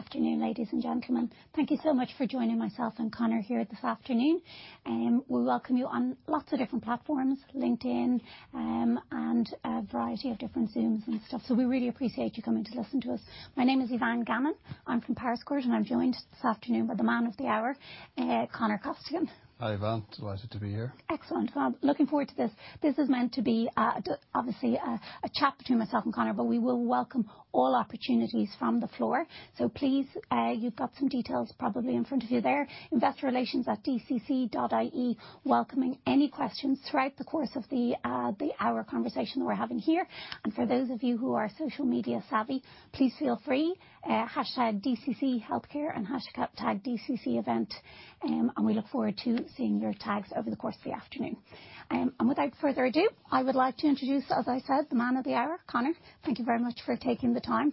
Good afternoon, ladies and gentlemen. Thank you so much for joining myself and Conor here this afternoon. We welcome you on lots of different platforms, LinkedIn, and a variety of different Zooms and stuff, so we really appreciate you coming to listen to us. My name is Eavan Gannon, I'm from Powerscourt, and I'm joined this afternoon by the man of the hour, Conor Costigan. Hi, Eavan. Delighted to be here. Excellent. Looking forward to this. This is meant to be, obviously, a chat between myself and Conor, but we will welcome all opportunities from the floor. Please, you've got some details probably in front of you there, investorrelations@dcc.ie welcoming any questions throughout the course of the hour conversation that we're having here. For those of you who are social media savvy, please feel free, #DCCHealthcare and #DCCEvent, and we look forward to seeing your tags over the course of the afternoon. Without further ado, I would like to introduce, as I said, the man of the hour, Conor. Thank you very much for taking the time.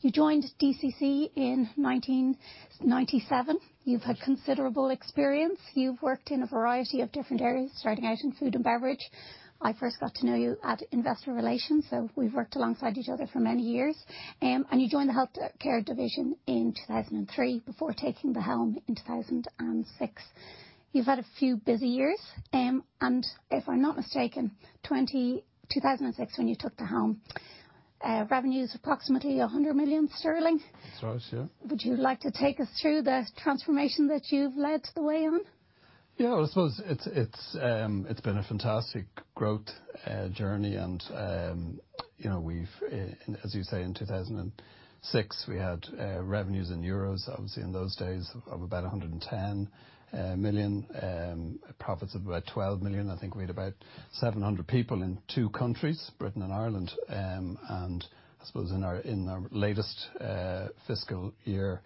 You joined DCC in 1997. You've had considerable experience. You've worked in a variety of different areas, starting out in food and beverage. I first got to know you at Investor Relations, we've worked alongside each other for many years. You joined DCC Healthcare in 2003, before taking the helm in 2006. You've had a few busy years, if I'm not mistaken, 2006 when you took the helm, revenue was approximately 100 million sterling. That's right, yeah. Would you like to take us through the transformation that you've led the way on? Well, I suppose it's been a fantastic growth journey, and as you say, in 2006, we had revenues in Euros, obviously in those days, of about 110 million, profits of about 12 million. I think we had about 700 people in two countries, Britain and Ireland. I suppose in our latest fiscal year,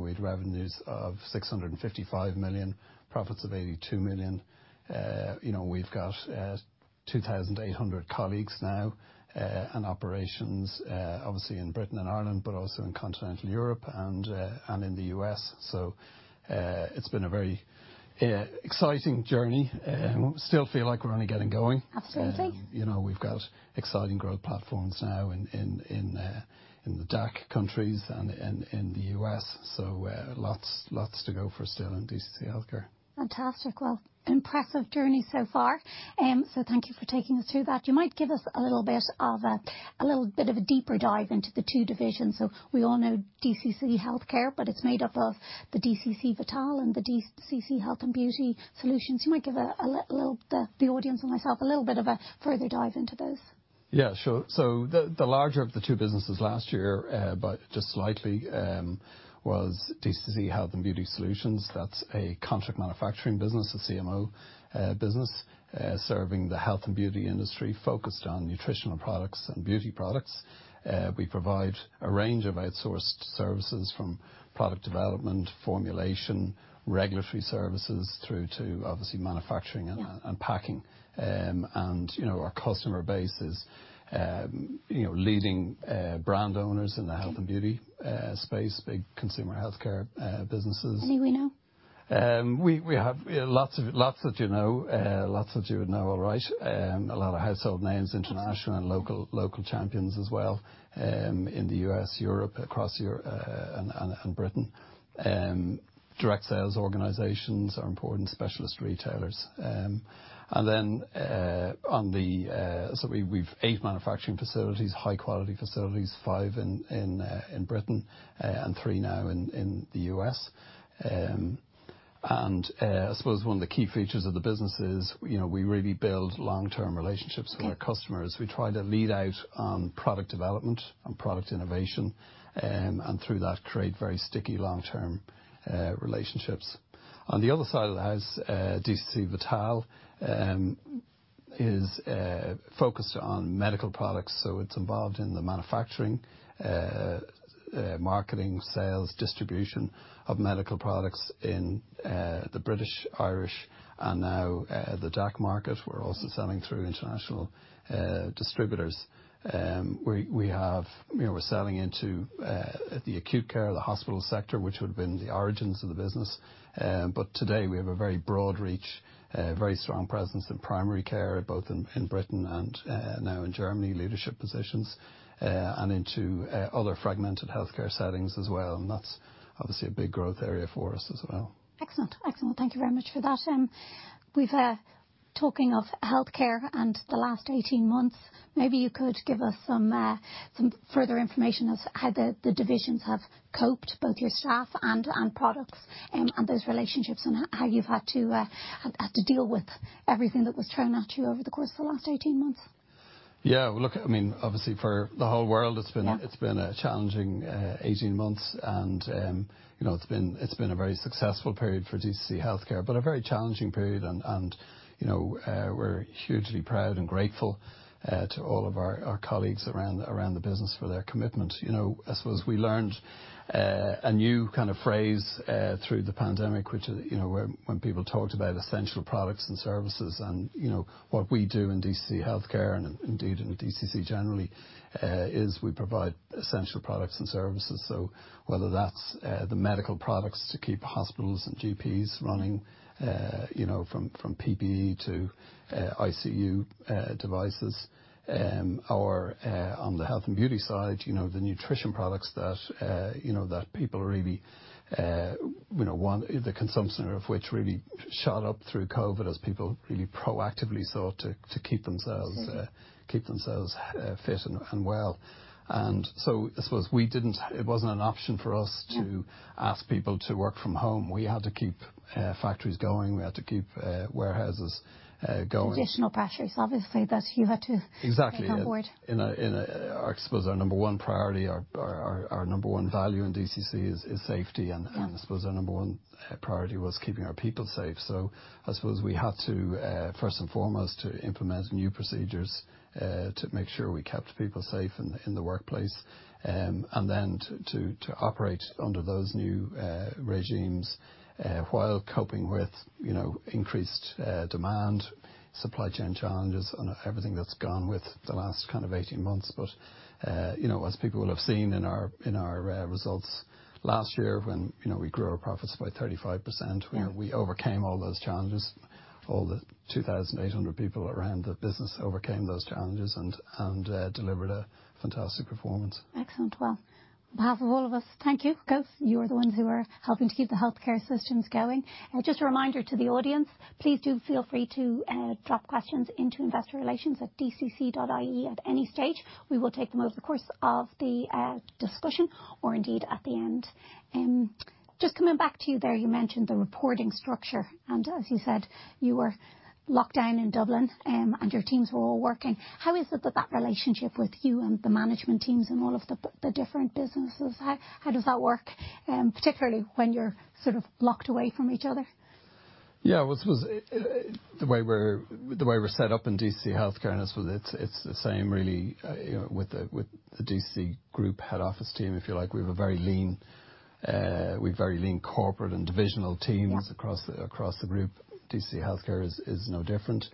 we had revenues of 655 million, profits of 82 million. We've got 2,800 colleagues now, and operations obviously in Britain and Ireland, but also in continental Europe and in the U.S. It's been a very exciting journey, and we still feel like we're only getting going. Absolutely. We've got exciting growth platforms now in the DACH countries and in the U.S., so lots to go for still in DCC Healthcare. Fantastic. Well, an impressive journey so far. Thank you for taking us through that. You might give us a little bit of a deeper dive into the two divisions. We all know DCC Healthcare, but it's made up of the DCC Vital and the DCC Health & Beauty Solutions. You might give the audience and myself a little bit of a further dive into those. Yeah, sure. The larger of the two businesses last year, but just slightly, was DCC Health and Beauty Solutions. That's a contract manufacturing business, a CMO business, serving the health and beauty industry, focused on nutritional products and beauty products. We provide a range of outsourced services from product development, formulation, regulatory services, through to obviously manufacturing and packing. Yeah. Our customer base is leading brand owners in the health and beauty space, big consumer healthcare businesses. Any we know? We have lots that you know, lots that you would know all right. A lot of household names, international and local champions as well, in the U.S., Europe, across and Britain. Direct sales organizations are important, specialist retailers. We've eight manufacturing facilities, high quality facilities, five in Britain, and three now in the U.S. I suppose one of the key features of the business is we really build long-term relationships with our customers. Yeah. We try to lead out on product development and product innovation, and through that create very sticky long-term relationships. On the other side of the house, DCC Vital, is focused on medical products. It's involved in the manufacturing, marketing, sales, distribution of medical products in the British, Irish, and now the DACH market. We're also selling through international distributors. We're selling into the acute care, the hospital sector, which would've been the origins of the business. Today we have a very broad reach, very strong presence in primary care, both in Britain and now in Germany, leadership positions, and into other fragmented healthcare settings as well, and that's obviously a big growth area for us as well. Excellent. Thank you very much for that. Talking of healthcare and the last 18 months, maybe you could give us some further information as to how the divisions have coped, both your staff and products, and those relationships, and how you've had to deal with everything that was thrown at you over the course of the last 18 months. Yeah. Look, obviously for the whole world- Yeah. A challenging 18 months, and it's been a very successful period for DCC Healthcare, but a very challenging period and we're hugely proud and grateful to all of our colleagues around the business for their commitment. I suppose we learned a new kind of phrase through the pandemic, which when people talked about essential products and services, and what we do in DCC Healthcare, and indeed in DCC generally, is we provide essential products and services. Whether that's the medical products to keep hospitals and GPs running from PPE to ICU devices, or on the health and beauty side, the nutrition products that people really want, the consumption of which really shot up through COVID as people really proactively sought to keep themselves fit and well. I suppose it wasn't an option for us to ask people to work from home. We had to keep factories going. We had to keep warehouses going. Additional pressures, obviously, that you've had to- Exactly. Onboard. I suppose our number one priority, our number one value in DCC is safety. I suppose our number one priority was keeping our people safe. I suppose we had to, first and foremost, implement new procedures to make sure we kept people safe in the workplace. Then to operate under those new regimes while coping with increased demand, supply chain challenges, and everything that is gone with the last kind of 18 months. As people will have seen in our results last year when we grew our profits by 35%. Yeah. We overcame all those challenges. All the 2,800 people around the business overcame those challenges and delivered a fantastic performance. Excellent. Well, on behalf of all of us, thank you, because you are the ones who are helping to keep the healthcare systems going. Just a reminder to the audience, please do feel free to drop questions into investorrelations@dcc.ie at any stage. We will take them over the course of the discussion, or indeed at the end. Just coming back to you there, you mentioned the reporting structure, and as you said, you were locked down in Dublin, and your teams were all working. How is it that that relationship with you and the management teams in all of the different businesses, how does that work, particularly when you're sort of locked away from each other? Yeah. I suppose the way we're set up in DCC Healthcare, it's the same really with the DCC group head office team, if you like. We have a very lean corporate and divisional teams across the group. DCC Healthcare is no different.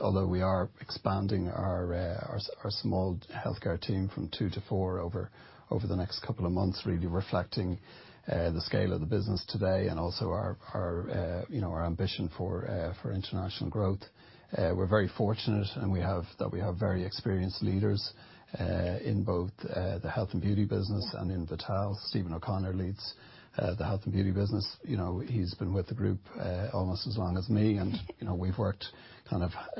Although we are expanding our small healthcare team from two to four over the next couple of months, really reflecting the scale of the business today and also our ambition for international growth. We're very fortunate in that we have very experienced leaders in both the Health & Beauty business and in Vital. Stephen O'Connor leads the Health & Beauty business. He's been with the group almost as long as me, we've worked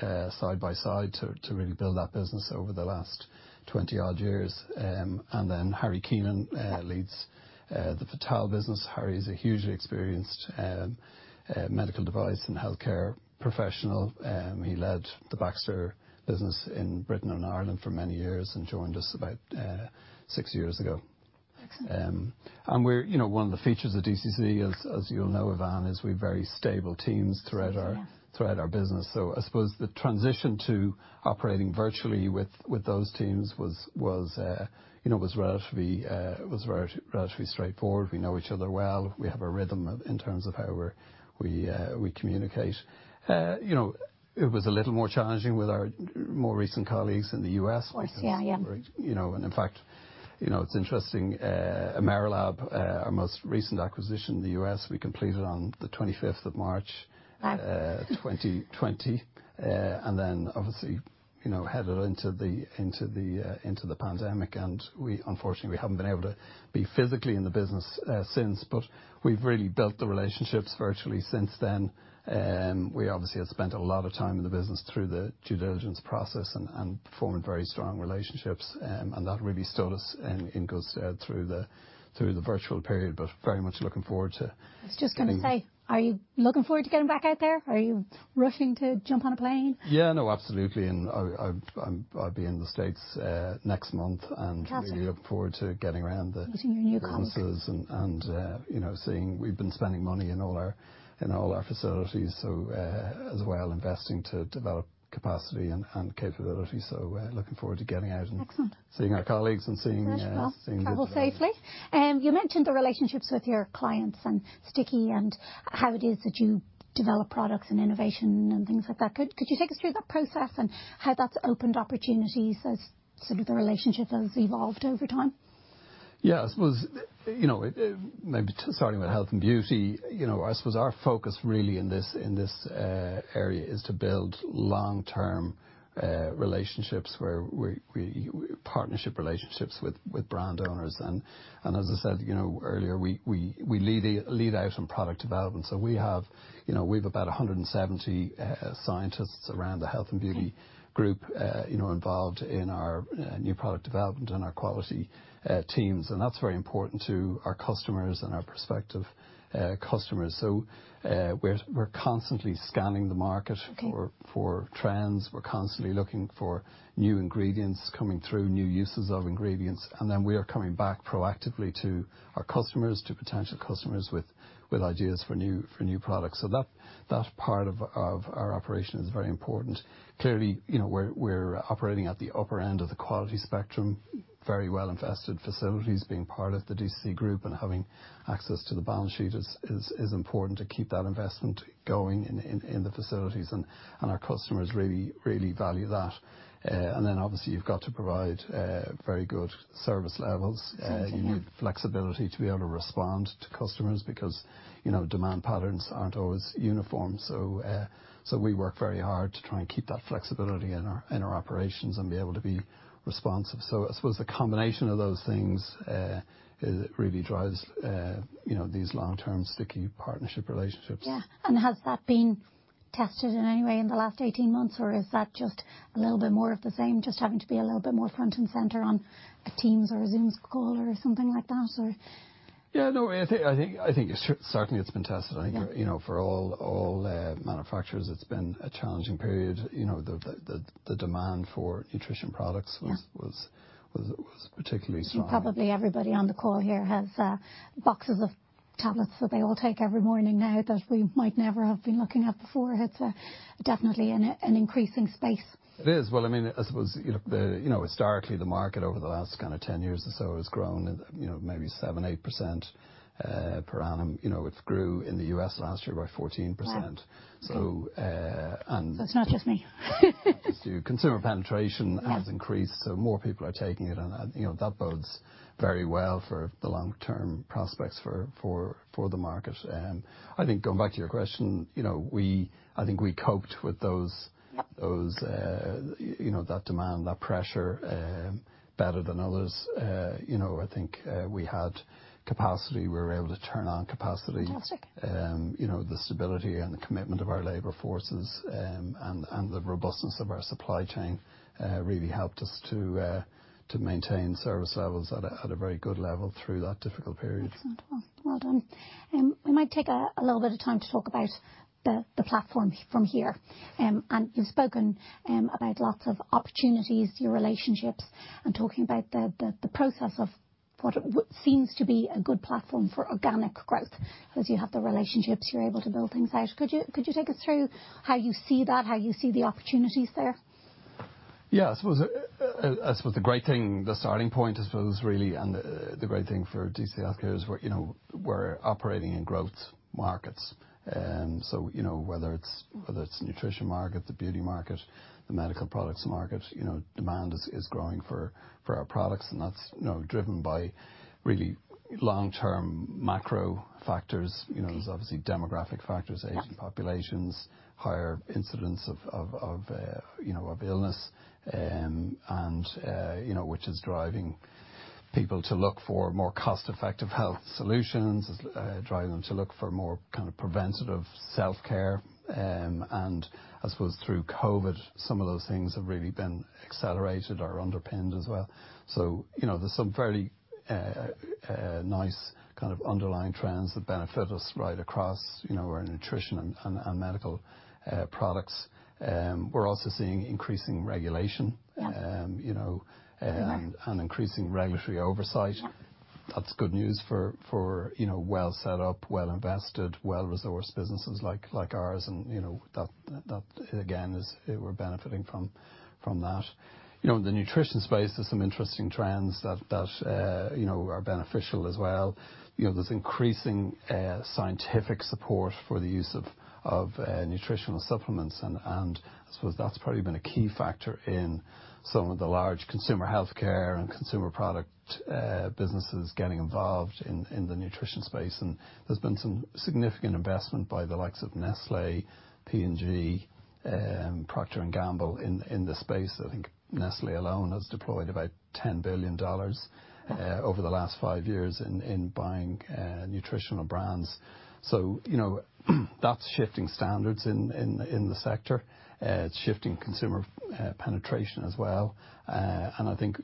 side by side to really build that business over the last 20 odd years. Then Harry Keenan leads the Vital business. Harry is a hugely experienced medical device and healthcare professional. He led the Baxter business in Britain and Ireland for many years and joined us about six years ago. Excellent. One of the features of DCC, as you'll know, Eavan, is we've very stable teams throughout our business. I suppose the transition to operating virtually with those teams was relatively straightforward. We know each other well. We have a rhythm in terms of how we communicate. It was a little more challenging with our more recent colleagues in the U.S. Of course. Yeah. In fact, it's interesting, Amerilab, our most recent acquisition in the U.S., we completed on the 25th of March- Right. 2020, and then obviously headed into the pandemic, and unfortunately, we haven't been able to be physically in the business since, but we've really built the relationships virtually since then. We obviously had spent a lot of time in the business through the due diligence process and formed very strong relationships, and that really stood us in good stead through the virtual period. I was just going to say, are you looking forward to getting back out there? Are you rushing to jump on a plane? Yeah. No, absolutely. I'll be in the U.S. next month. Meeting your new colleagues. Offices and seeing. We've been spending money in all our facilities, so as well investing to develop capacity and capability. Looking forward to getting out and- Excellent. Seeing our colleagues and... Very well. Travel safely. You mentioned the relationships with your clients and sticky and how it is that you develop products and innovation and things like that. Could you take us through that process and how that's opened opportunities as sort of the relationship has evolved over time? Yeah, I suppose, maybe starting with DCC Health & Beauty Solutions, I suppose our focus really in this area is to build long-term relationships, partnership relationships with brand owners. As I said earlier, we lead out on product development. We have about 170 scientists around DCC Health & Beauty Solutions involved in our new product development and our quality teams, and that's very important to our customers and our prospective customers. We're constantly scanning the market for trends. We're constantly looking for new ingredients coming through, new uses of ingredients, and then we are coming back proactively to our customers, to potential customers with ideas for new products. That part of our operation is very important. Clearly, we're operating at the upper end of the quality spectrum, very well-invested facilities. Being part of the DCC Group and having access to the balance sheet is important to keep that investment going in the facilities, and our customers really value that. Obviously you've got to provide very good service levels. You need flexibility to be able to respond to customers, because demand patterns aren't always uniform. We work very hard to try and keep that flexibility in our operations and be able to be responsive. I suppose the combination of those things really drives these long-term sticky partnership relationships. Yeah. Has that been tested in any way in the last 18 months, or is that just a little bit more of the same, just having to be a little bit more front and center on a Teams or a Zoom call or something like that or? Yeah, no, I think certainly it's been tested. Yeah. I think for all the manufacturers, it's been a challenging period. The demand for nutrition products was particularly strong. Probably everybody on the call here has boxes of tablets that they all take every morning now that we might never have been looking at before. It's definitely an increasing space. It is. Well, I suppose, historically, the market over the last kind of 10 years or so has grown maybe 7%, 8% per annum. It grew in the U.S. last year by 14%. Wow, okay. So and- It's not just me. Consumer penetration has increased, so more people are taking it, and that bodes very well for the long-term prospects for the market. I think going back to your question, I think we coped with those that demand, that pressure, better than others. I think we had capacity. We were able to turn on capacity. Fantastic. The stability and the commitment of our labor forces and the robustness of our supply chain really helped us to maintain service levels at a very good level through that difficult period. Excellent. Well done. We might take a little bit of time to talk about the platform from here. You've spoken about lots of opportunities, your relationships, and talking about the process of what seems to be a good platform for organic growth. As you have the relationships, you're able to build things out. Could you take us through how you see that, how you see the opportunities there? Yeah. I suppose the great thing, the starting point, I suppose really, and the great thing for DCC Health is we're operating in growth markets. Whether it's nutrition market, the beauty market, the medical products market, demand is growing for our products, and that's driven by really long-term macro factors. There's obviously demographic factors aging populations, higher incidence of illness, which is driving people to look for more cost-effective health solutions. It's driving them to look for more kind of preventative self-care. I suppose through COVID, some of those things have really been accelerated or underpinned as well. There's some fairly nice kind of underlying trends that benefit us right across our nutrition and medical products. We're also seeing increasing regulation- Yeah. Increasing regulatory oversight. That's good news for well set up, well invested, well-resourced businesses like ours and that again, we're benefiting from that. In the nutrition space, there's some interesting trends that are beneficial as well. There's increasing scientific support for the use of nutritional supplements, and I suppose that's probably been a key factor in some of the large consumer healthcare and consumer product businesses getting involved in the nutrition space. There's been some significant investment by the likes of Nestlé, P&G, Procter & Gamble in this space. I think Nestlé alone has deployed about $10 billion over the last five years in buying nutritional brands. That's shifting standards in the sector. It's shifting consumer penetration as well. I think,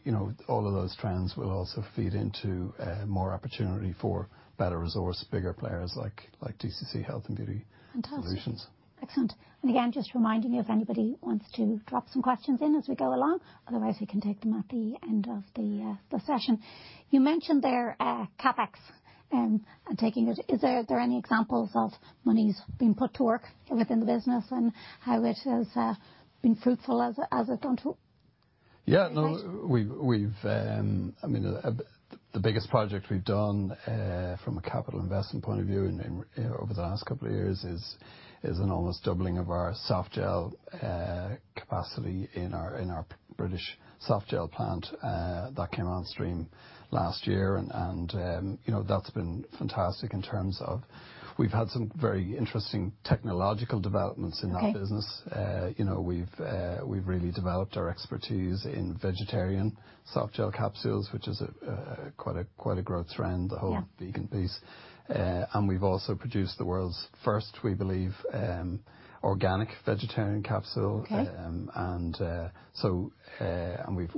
all of those trends will also feed into more opportunity for better resource, bigger players like DCC Health & Beauty Solutions. Fantastic. Excellent. Again, just reminding you, if anybody wants to drop some questions in as we go along, otherwise we can take them at the end of the session. You mentioned their CapEx and taking it. Are there any examples of monies being put to work within the business and how it has been fruitful as it done to date? Yeah. I mean, the biggest project we've done, from a capital investment point of view over the last couple of years is an almost doubling of our softgel capacity in our British softgel plant that came on stream last year. That's been fantastic in terms of we've had some very interesting technological developments in that business. Okay. We've really developed our expertise in vegetarian softgel capsules, which is quite a growth trend, the whole vegan piece. Yeah. We've also produced the world's first, we believe, organic vegetarian capsule. Okay.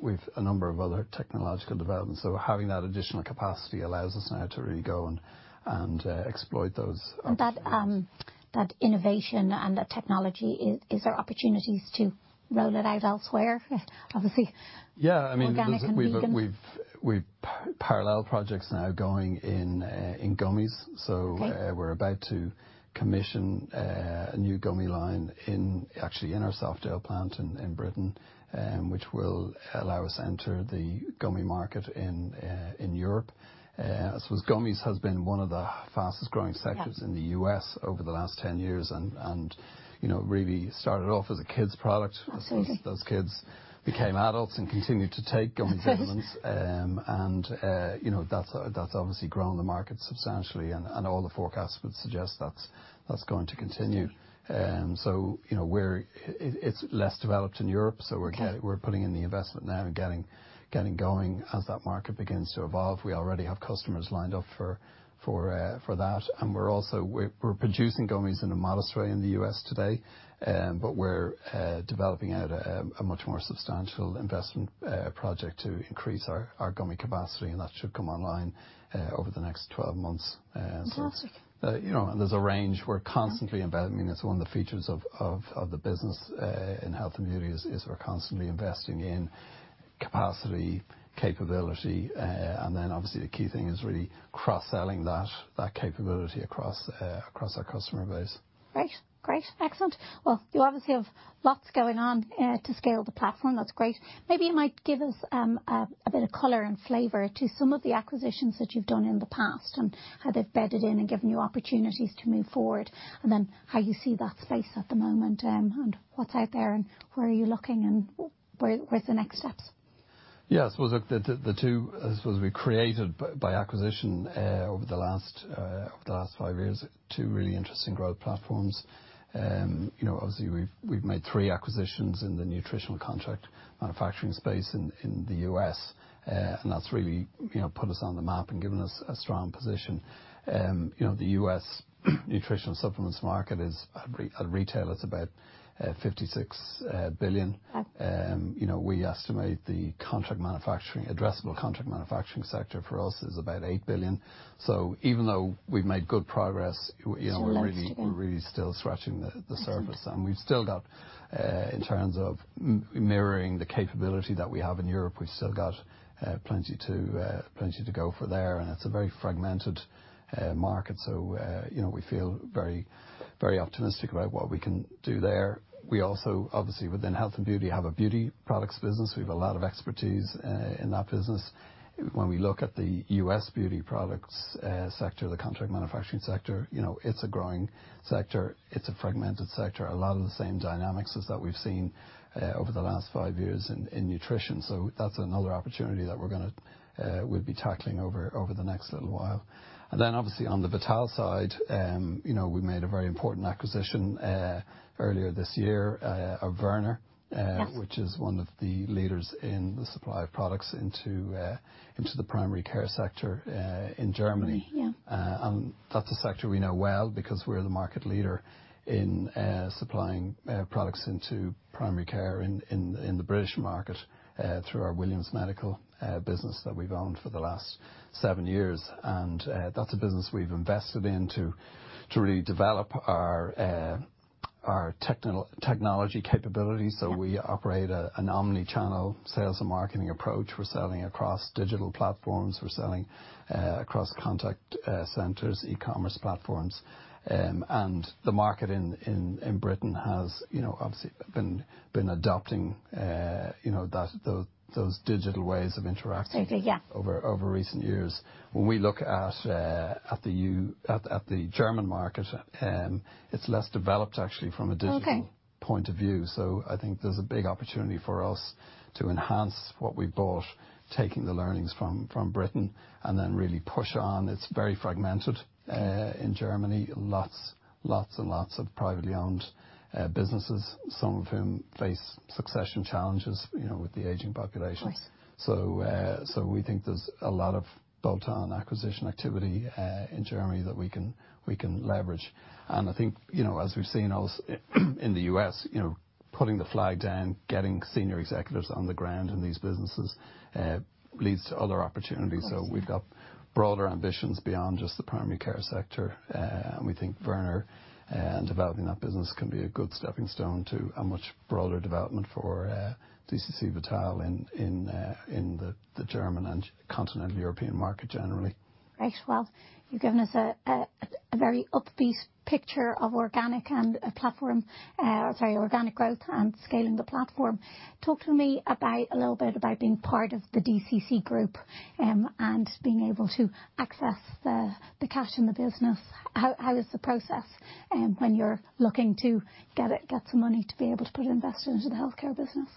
We've a number of other technological developments. Having that additional capacity allows us now to really go and exploit those opportunities. That innovation and that technology, is there opportunities to roll it out elsewhere? Obviously. Yeah. Organic and vegan. We've parallel projects now going in gummies. Okay. We're about to commission a new gummy line actually in our softgel plant in Britain, which will allow us enter the gummy market in Europe. I suppose gummies has been one of the fastest growing sectors- Yeah. In the U.S. over the last 10 years, and really started off as a kids product. Okay. I suppose those kids became adults and continued to take gummy supplements. That's obviously grown the market substantially, all the forecasts would suggest that's going to continue. It's less developed in Europe, we're putting in the investment now and getting going as that market begins to evolve. We already have customers lined up for that. We're producing gummies in a modest way in the U.S. today, but we're developing out a much more substantial investment project to increase our gummy capacity, and that should come online over the next 12 months. Fantastic. There's a range. We're constantly investing. It's one of the features of the business in health and beauty, is we're constantly investing in capacity, capability, and then obviously the key thing is really cross-selling that capability across our customer base. Great. Excellent. Well, you obviously have lots going on to scale the platform. That's great. Maybe you might give us a bit of color and flavor to some of the acquisitions that you've done in the past, and how they've bedded in and given you opportunities to move forward. How you see that space at the moment, and what's out there and where are you looking, and where's the next steps? I suppose we created, by acquisition over the last five years, two really interesting growth platforms. Obviously we've made three acquisitions in the nutritional contract manufacturing space in the U.S. That's really put us on the map and given us a strong position. The U.S. nutritional supplements market at retail is about $56 billion. Wow. We estimate the addressable contract manufacturing sector for us is about 8 billion. Even though we've made good progress. There is so much to do. We're really still scratching the surface. We've still got, in terms of mirroring the capability that we have in Europe, we've still got plenty to go for there. It's a very fragmented market, so we feel very optimistic about what we can do there. We also, obviously within health and beauty, have a beauty products business. We've a lot of expertise in that business. When we look at the U.S. beauty products sector, the contract manufacturing sector, it's a growing sector. It's a fragmented sector. A lot of the same dynamics as that we've seen over the last five years in nutrition. That's another opportunity that we'll be tackling over the next little while. Obviously on the Vital side, we made a very important acquisition earlier this year of Wörner. Yes. Which is one of the leaders in the supply of products into the primary care sector in Germany. Germany, yeah. That's a sector we know well because we're the market leader in supplying products into primary care in the British market through our Williams Medical business that we've owned for the last seven years. That's a business we've invested in to really develop our technology capabilities. We operate an omni-channel sales and marketing approach. We're selling across digital platforms. We're selling across contact centers, e-commerce platforms. The market in Britain has obviously been adopting those digital ways of interacting. Okay. Yeah. Over recent years. When we look at the German market, it's less developed actually from a digital- Okay. Point of view. I think there's a big opportunity for us to enhance what we bought, taking the learnings from Britain, and then really push on. It's very fragmented in Germany. Lots and lots of privately owned businesses, some of whom face succession challenges with the aging population. Of course. We think there's a lot of bolt-on acquisition activity in Germany that we can leverage. I think, as we've seen also in the U.S., putting the flag down, getting senior executives on the ground in these businesses leads to other opportunities. We've got broader ambitions beyond just the primary care sector, and we think Wörner and developing that business can be a good stepping stone to a much broader development for DCC Vital in the German and continental European market generally. Great. Well, you've given us a very upbeat picture of organic growth and scaling the platform. Talk to me a little bit about being part of the DCC group, and being able to access the cash in the business. How is the process when you're looking to get some money to be able to put investment into the healthcare business?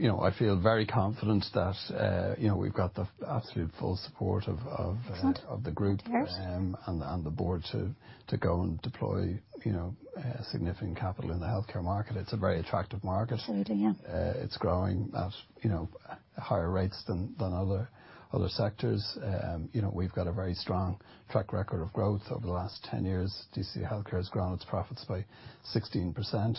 Yeah. Look, I feel very confident that we've got the absolute full support of- Excellent. Of the group. Yes. The board to go and deploy significant capital in the healthcare market. It's a very attractive market. Absolutely, yeah. It's growing at higher rates than other sectors. We've got a very strong track record of growth over the last 10 years. DCC Healthcare has grown its profits by 16%,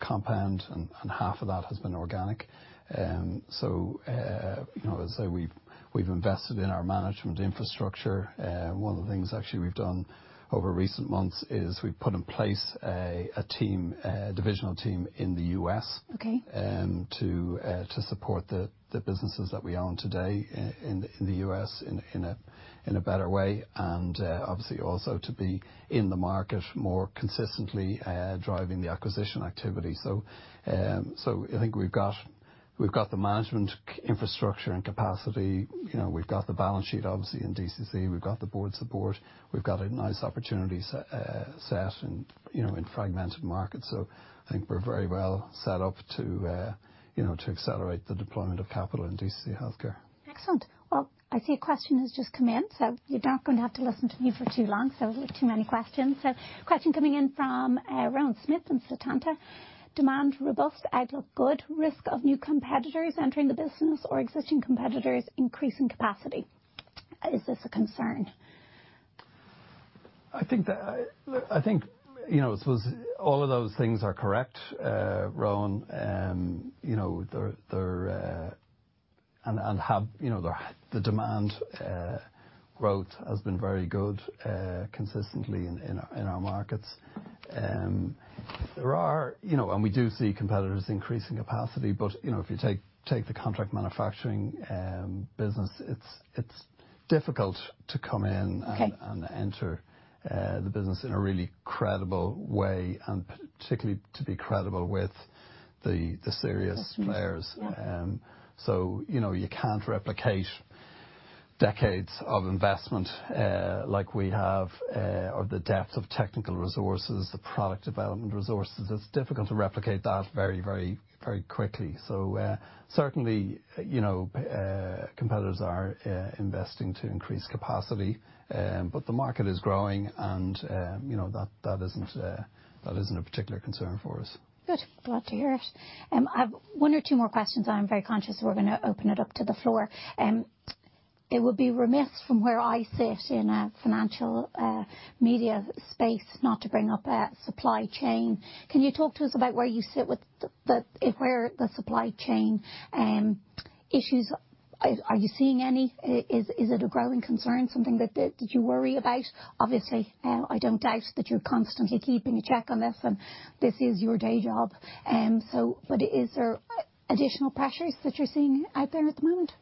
compound. Half of that has been organic. As I say, we've invested in our management infrastructure. One of the things actually we've done over recent months is we've put in place a divisional team in the U.S. Okay. To support the businesses that we own today in the U.S. in a better way. Obviously also to be in the market more consistently, driving the acquisition activity. I think we've got the management infrastructure and capacity. We've got the balance sheet, obviously, in DCC. We've got the board support. We've got a nice opportunity set in fragmented markets. I think we're very well set up to accelerate the deployment of capital in DCC Healthcare. Excellent. Well, I see a question has just come in, so you're not going to have to listen to me for too long, so there's too many questions. Question coming in from Rowan Smith in Setanta. Demand robust, outlook good, risk of new competitors entering the business or existing competitors increasing capacity. Is this a concern? I think, I suppose all of those things are correct, Rowan. The demand growth has been very good consistently in our markets. We do see competitors increasing capacity, but if you take the contract manufacturing business, it's difficult to come in- Okay. Enter the business in a really credible way, and particularly to be credible with the serious players. Yeah. You can't replicate decades of investment like we have, or the depth of technical resources, the product development resources. It's difficult to replicate that very quickly. Certainly, competitors are investing to increase capacity, but the market is growing and that isn't a particular concern for us. Good. Glad to hear it. I have one or two more questions. I am very conscious we're going to open it up to the floor. It would be remiss from where I sit in a financial media space not to bring up supply chain. Can you talk to us about where you sit with the supply chain issues? Are you seeing any? Is it a growing concern, something that you worry about? Obviously, I don't doubt that you're constantly keeping a check on this and this is your day job. But is there additional pressures that you're seeing out there at the moment?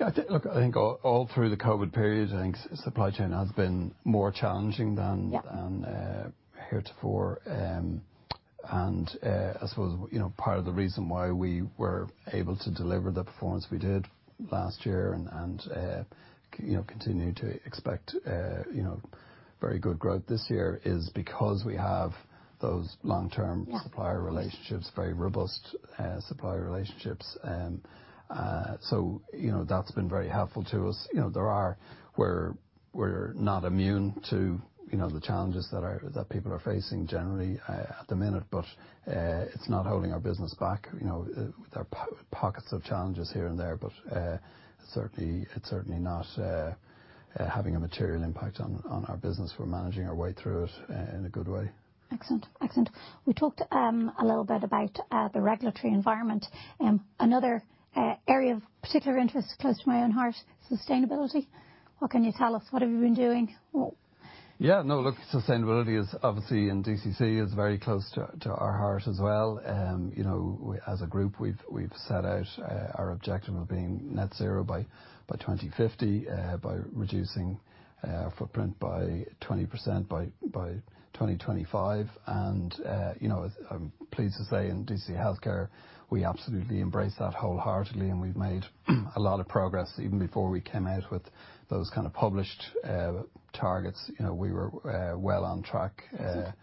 Yeah. Look, I think all through the COVID period, I think supply chain has been more challenging than. Yeah. Heretofore. I suppose, part of the reason why we were able to deliver the performance we did last year and continue to expect very good growth this year is because we have those long-term- Yeah. Supplier relationships, very robust supplier relationships. That's been very helpful to us. We're not immune to the challenges that people are facing generally at the minute, but it's not holding our business back. There are pockets of challenges here and there, but it's certainly not having a material impact on our business. We're managing our way through it in a good way. Excellent. We talked a little bit about the regulatory environment. Another area of particular interest close to my own heart, sustainability. What can you tell us? What have you been doing? Yeah. No, look, sustainability is obviously in DCC is very close to our heart as well. As a group, we've set out our objective of being net zero by 2050, by reducing our footprint by 20% by 2025. I'm pleased to say in DCC Healthcare, we absolutely embrace that wholeheartedly and we've made a lot of progress even before we came out with those kind of published targets. We were well on track. Excellent.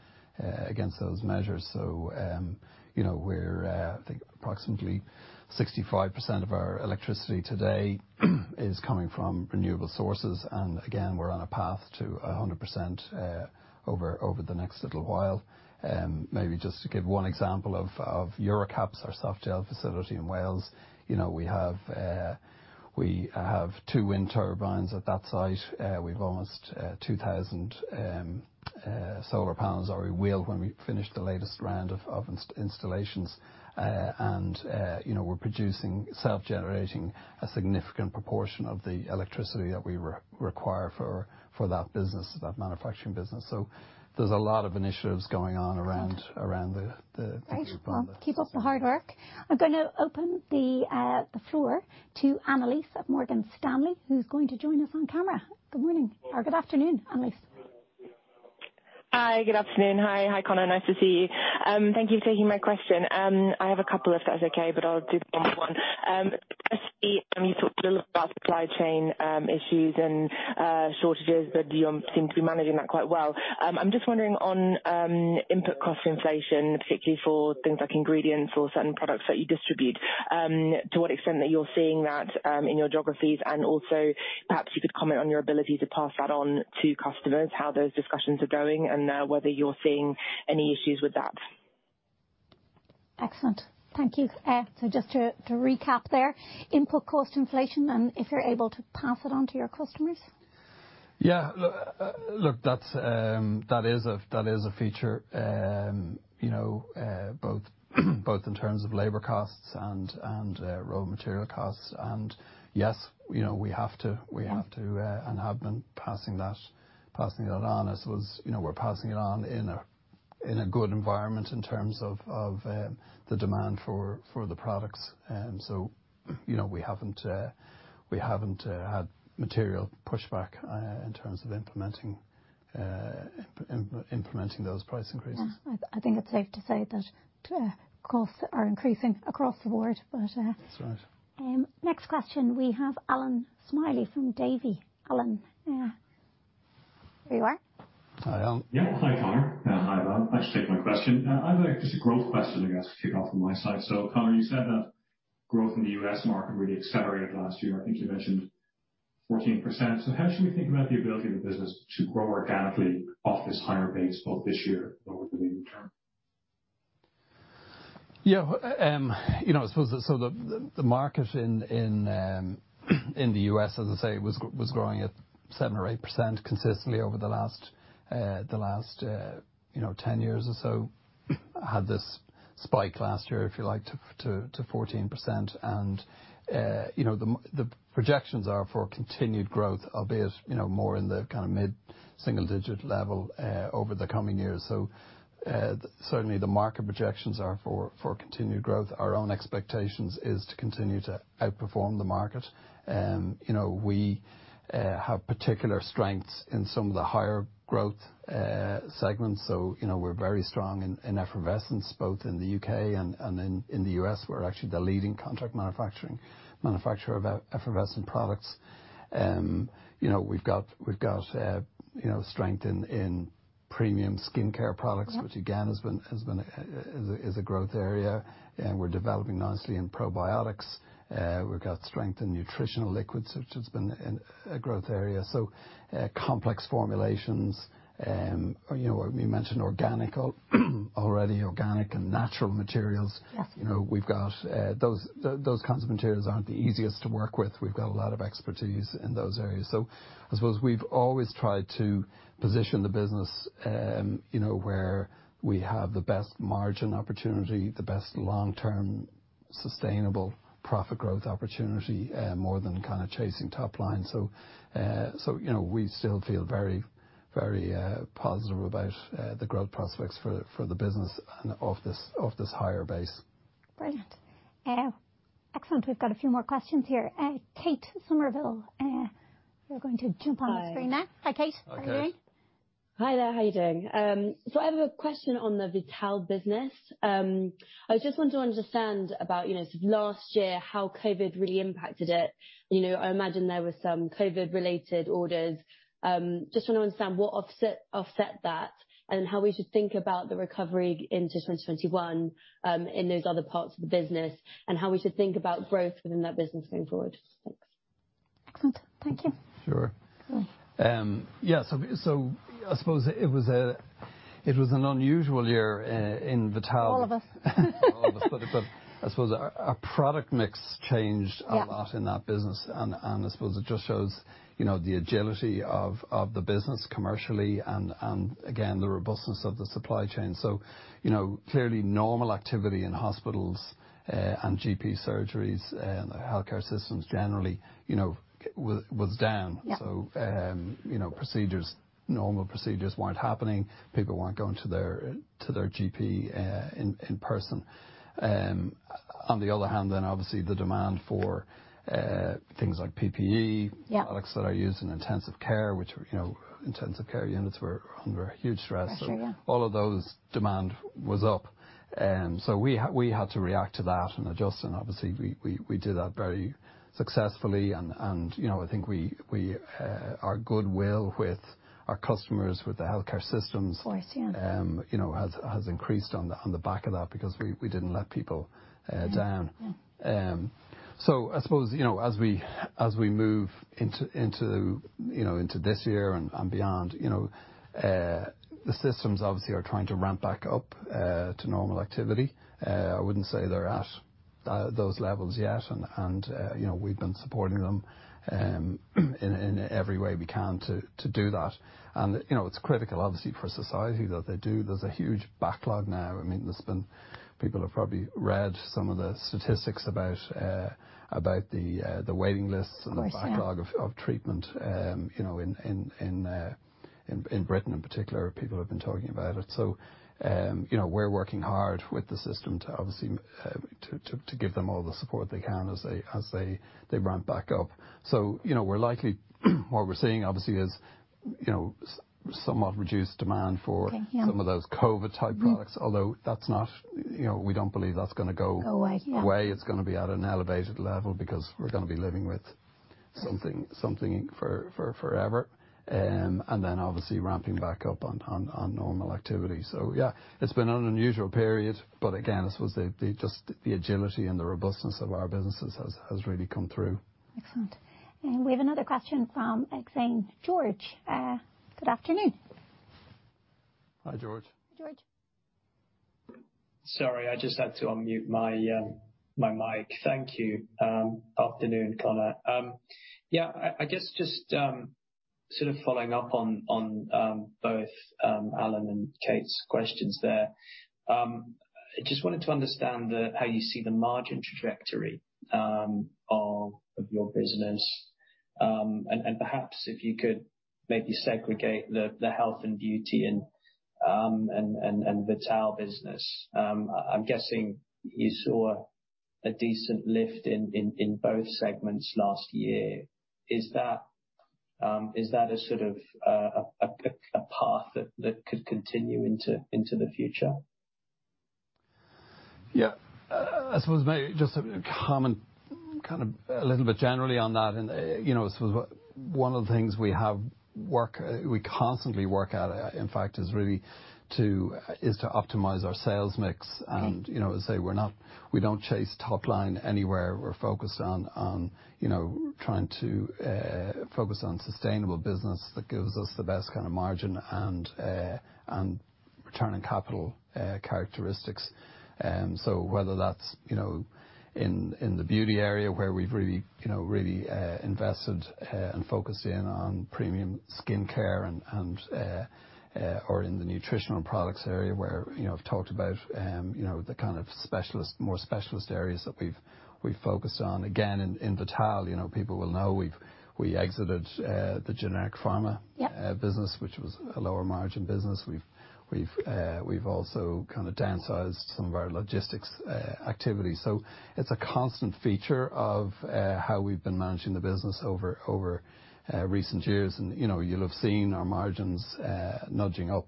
Against those measures. I think approximately 65% of our electricity today is coming from renewable sources. Again, we're on a path to 100% over the next little while. Maybe just to give one example of EuroCaps, our softgel facility in Wales, we have two wind turbines at that site. We've almost 2,000 solar panels, or we will when we finish the latest round of installations. We're producing, self-generating a significant proportion of the electricity that we require for that business, that manufacturing business. There's a lot of initiatives going on around the group on that. Right. Keep up the hard work. I'm going to open the floor to Annelise of Morgan Stanley, who's going to join us on camera. Good morning or good afternoon, Annelise. Hi, good afternoon. Hi, Conor. Nice to see you. Thank you for taking my question. I have a couple if that's okay, but I'll do them one by one. Firstly, you talked a little about supply chain issues and shortages, but you seem to be managing that quite well. I'm just wondering on input cost inflation, particularly for things like ingredients or certain products that you distribute, to what extent that you're seeing that in your geographies, and also perhaps you could comment on your ability to pass that on to customers, how those discussions are going, and whether you're seeing any issues with that. Excellent. Thank you. Just to recap there, input cost inflation and if you're able to pass it on to your customers. Yeah. Look, that is a feature, both in terms in terms of labor costs and raw material costs. Yes, we have to and have been passing that on as was we're passing it on in a good environment in terms of the demand for the products. We haven't had material pushback in terms of implementing those price increases. Yeah. I think it's safe to say that costs are increasing across the board. That's right. Next question. We have Allan Smylie from Davy. Allan. There you are. Hi, Allan. Yeah. Hi, Conor. Hi, Eavan Gannon. Thanks for taking my question. I've just a growth question, I guess, to kick off on my side. Conor, you said that growth in the U.S. market really accelerated last year. I think you mentioned 14%. How should we think about the ability of the business to grow organically off this higher base, both this year and over the medium term? Yeah. The market in the U.S., as I say, was growing at 7% or 8% consistently over the last 10 years or so. Had this spike last year, if you like, to 14%. The projections are for continued growth, albeit more in the kind of mid-single digit level over the coming years. Certainly the market projections are for continued growth. Our own expectations is to continue to outperform the market. We have particular strengths in some of the higher growth segments. We're very strong in effervescence both in the U.K. and in the U.S. We're actually the leading contract manufacturer of effervescent products. We've got strength in premium skincare products. Which again, is a growth area. We're developing nicely in probiotics. We've got strength in nutritional liquids, which has been a growth area. Complex formulations. We mentioned organic already, organic and natural materials. Yes. Those kinds of materials aren't the easiest to work with. We've got a lot of expertise in those areas. I suppose we've always tried to position the business where we have the best margin opportunity, the best long-term sustainable profit growth opportunity, more than kind of chasing top line. We still feel very positive about the growth prospects for the business and of this higher base. Brilliant. Excellent. We've got a few more questions here. Kate Somerville. Hi. The screen now. Hi, Kate. Hi, Kate. How are you doing? Hi there. How are you doing? I have a question on the Vital business. I just want to understand about, sort of last year, how COVID really impacted it. I imagine there were some COVID-related orders. Just want to understand what offset that, and how we should think about the recovery into 2021, in those other parts of the business, and how we should think about growth within that business going forward. Thanks. Excellent. Thank you. Sure. I suppose it was an unusual year in Vital. All of us. All of us. I suppose our product mix changed. Yeah. A lot in that business, and I suppose it just shows the agility of the business commercially and again, the robustness of the supply chain. Clearly normal activity in hospitals and GP surgeries and the healthcare systems generally, was down. Yeah. Normal procedures weren't happening. People weren't going to their GP in person. On the other hand, obviously the demand for things like PPE- Yeah. Products that are used in intensive care, which intensive care units were under a huge stress. Pressure, yeah. All of those demand was up. We had to react to that and adjust. Obviously we did that very successfully and I think our goodwill with our customers, with the healthcare systems- Of course, yeah. Has increased on the back of that, because we didn't let people down. Yeah. I suppose, as we move into this year and beyond, the systems obviously are trying to ramp back up to normal activity. I wouldn't say they're at those levels yet, and we've been supporting them in every way we can to do that. It's critical obviously for society that they do. There's a huge backlog now. People have probably read some of the statistics about the waiting lists and the backlog- Of course, yeah. Of treatment in Britain in particular. People have been talking about it. We're working hard with the system to obviously give them all the support they can as they ramp back up. What we're seeing obviously is somewhat reduced demand for- Okay, yeah. Some of those COVID-type products, although we don't believe that's going to go- Go away, yeah. Away. It's going to be at an elevated level because we're going to be living with something for forever. Obviously ramping back up on normal activity. Yeah, it's been an unusual period. Again, I suppose just the agility and the robustness of our businesses has really come through. Excellent. We have another question from Zane George. Good afternoon. Hi, George. George? Sorry, I just had to unmute my mic. Thank you. Afternoon, Conor Costigan. Yeah, I guess just sort of following up on both Allan Smylie and Kate Somerville's questions there. I just wanted to understand how you see the margin trajectory of your business, and perhaps if you could maybe segregate the Health & Beauty, and Vital business. I'm guessing you saw a decent lift in both segments last year. Is that a sort of path that could continue into the future? Yeah. I suppose maybe just to comment kind of a little bit generally on that. I suppose one of the things we constantly work at, in fact, is to optimize our sales mix. As I say, we don't chase top line anywhere. We're focused on trying to focus on sustainable business that gives us the best kind of margin and return on capital characteristics. Whether that's in the beauty area where we've really invested and focused in on premium skincare or in the nutritional products area where I've talked about the kind of more specialist areas that we've focused on. Again, in Vital, people will know we exited the generic pharma business. Yeah. Which was a lower margin business. We've also kind of downsized some of our logistics activities. It's a constant feature of how we've been managing the business over recent years. You'll have seen our margins nudging up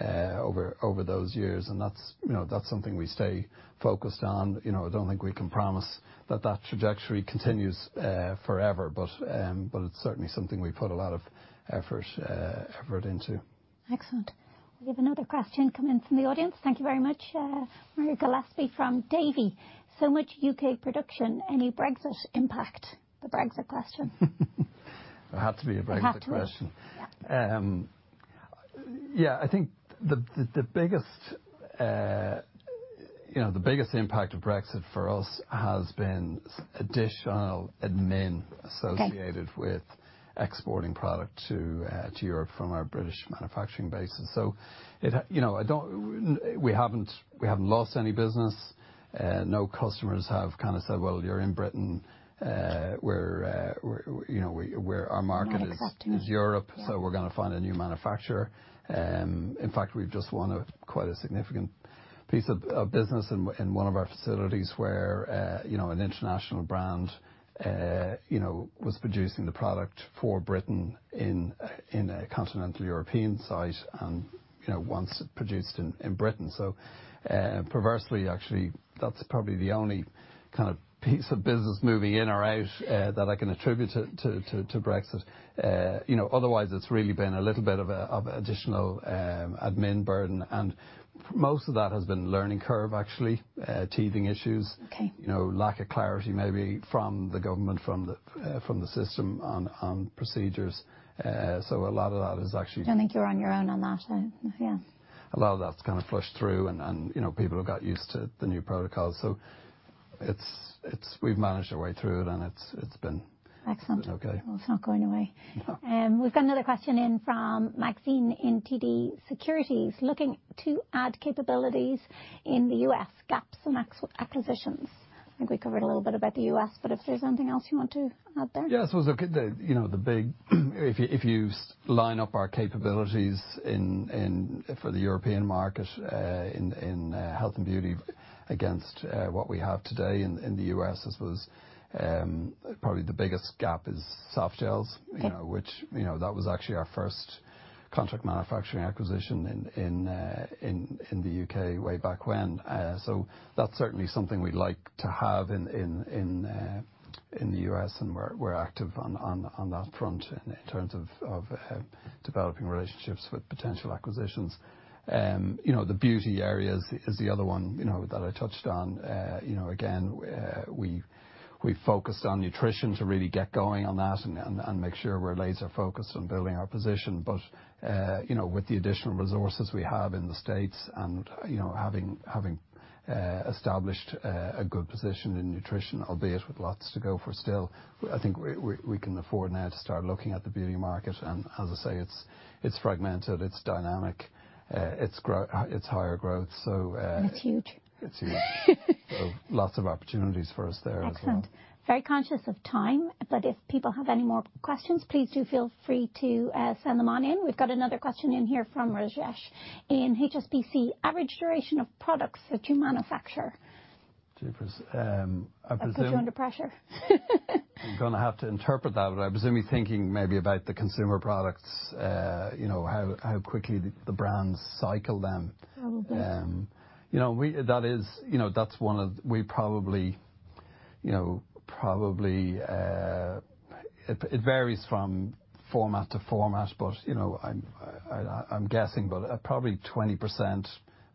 over those years, and that's something we stay focused on. I don't think we can promise that trajectory continues forever, but it's certainly something we put a lot of effort into. Excellent. We have another question come in from the audience. Thank you very much. Maria Gillespie from Davy. Much U.K. production. Any Brexit impact? The Brexit question. There had to be a Brexit question. Had to be. Yeah. Yeah. I think the biggest impact of Brexit for us has been additional admin associated with- Okay. Exporting product to Europe from our British manufacturing base. We haven't lost any business. No customers have kind of said, "Well, you're in Britain. Our market is Europe. Yeah. We're going to find a new manufacturer." In fact, we've just won quite a significant piece of business in one of our facilities where an international brand was producing the product for Britain in a continental European site, and wants it produced in Britain. Perversely actually, that's probably the only kind of piece of business moving in or out that I can attribute to Brexit. Otherwise, it's really been a little bit of additional admin burden, and most of that has been learning curve, actually. Teething issues. Okay. Lack of clarity maybe from the government, from the system on procedures. Don't think you're on your own on that. Yeah. A lot of that's kind of flushed through and people have got used to the new protocol. We've managed our way through it, and it's been okay. Excellent. Well, it's not going away. No. We've got another question in from Maxine in TD Securities. Looking to add capabilities in the U.S., gaps and acquisitions. I think we covered a little bit about the U.S., but if there's anything else you want to add there? I suppose, if you line up our capabilities for the European market, in health and beauty against what we have today in the U.S., I suppose probably the biggest gap is softgels. Yeah. That was actually our first contract manufacturing acquisition in the U.K. way back when. That's certainly something we'd like to have in the U.S., and we're active on that front in terms of developing relationships with potential acquisitions. The beauty area is the other one that I touched on. Again, we focused on nutrition to really get going on that, and make sure we're laser focused on building our position. With the additional resources we have in the States and having established a good position in nutrition, albeit with lots to go for still, I think we can afford now to start looking at the beauty market. As I say, it's fragmented, it's dynamic, it's higher growth. It’s huge. It's huge. Lots of opportunities for us there as well. Excellent. Very conscious of time, but if people have any more questions, please do feel free to send them on in. We've got another question in here from Rajesh in HSBC. Average duration of products that you manufacture? Jeepers. I presume. That put you under pressure. I'm going to have to interpret that, but I presume you're thinking maybe about the consumer products, how quickly the brands cycle them. Probably. Probably, it varies from format to format, but I'm guessing about probably 20%,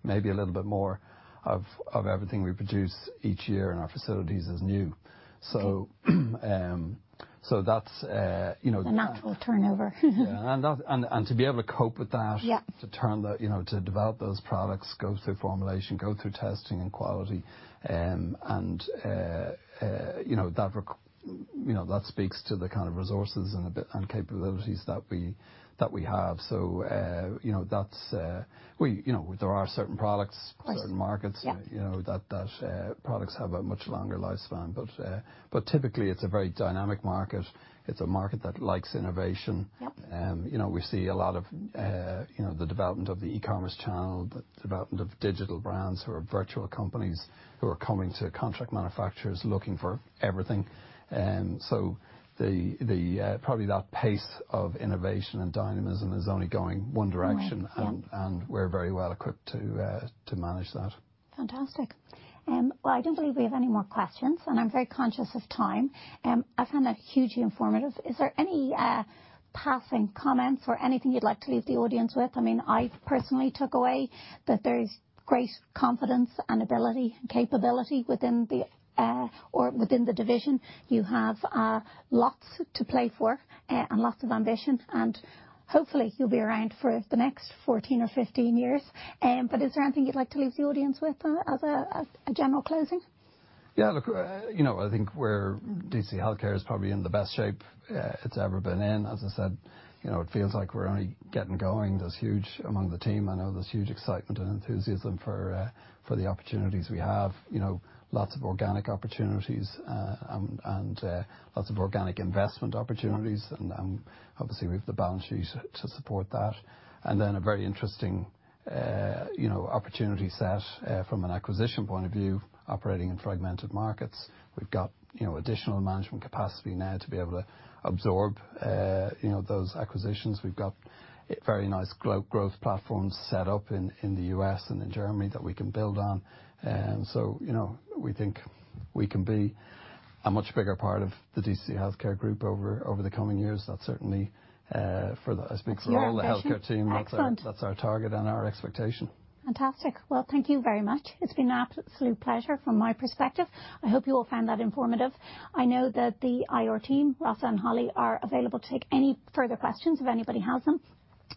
maybe a little bit more of everything we produce each year in our facilities is new. The natural turnover. Yeah. To be able to cope with that. Yeah. To develop those products, go through formulation, go through testing and quality, and that speaks to the kind of resources and capabilities that we have. You know, there are certain products, markets- Yeah. That products have a much longer lifespan. Typically, it's a very dynamic market. It's a market that likes innovation. Yep. We see a lot of the development of the e-commerce channel, the development of digital brands who are virtual companies who are coming to contract manufacturers looking for everything. Probably that pace of innovation and dynamism is only going one direction. One. Yeah. We're very well equipped to manage that. Fantastic. Well, I don't believe we have any more questions, I'm very conscious of time. I found that hugely informative. Is there any passing comments or anything you'd like to leave the audience with? I personally took away that there is great confidence and ability and capability within the division. You have lots to play for and lots of ambition, hopefully, you'll be around for the next 14 or 15 years. Is there anything you'd like to leave the audience with as a general closing? Look, I think DCC Healthcare is probably in the best shape it's ever been in. As I said, it feels like we're only getting going. Among the team, I know there's huge excitement and enthusiasm for the opportunities we have. Lots of organic opportunities, lots of organic investment opportunities. Obviously, we've the balance sheet to support that. A very interesting opportunity set from an acquisition point of view, operating in fragmented markets. We've got additional management capacity now to be able to absorb those acquisitions. We've got very nice growth platforms set up in the U.S. and in Germany that we can build on. We think we can be a much bigger part of the DCC Healthcare Group over the coming years. That certainly speaks for all the healthcare team. Excellent. That's our target and our expectation. Fantastic. Well, thank you very much. It's been an absolute pleasure from my perspective. I hope you all found that informative. I know that the IR team, Rossa and Holly, are available to take any further questions if anybody has them,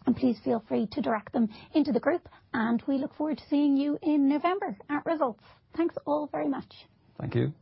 and please feel free to direct them into the group, and we look forward to seeing you in November at Results. Thanks all very much. Thank you.